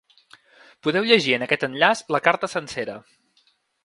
Podeu llegir en aquest enllaç la carta sencera.